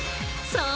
そう！